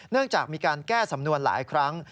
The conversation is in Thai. จากมีการแก้สำนวนหลายครั้ง